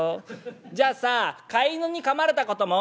「じゃあさ飼い犬にかまれたことも？」。